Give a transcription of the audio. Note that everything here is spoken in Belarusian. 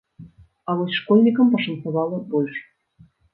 А вось школьнікам пашанцавала больш.